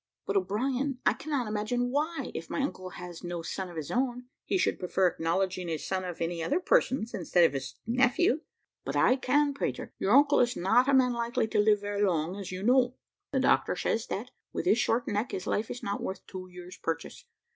"But, O'Brien, I cannot imagine why, if my uncle has no son of his own, he should prefer acknowledging a son of any other person's instead of his own nephew." "But I can, Peter: your uncle is not a man likely to live very long, as you know. The doctor says that, with his short neck, his life is not worth two years' purchase.